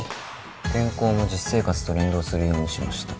天候も実生活と連動するようにしました